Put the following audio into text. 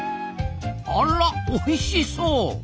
あらおいしそう！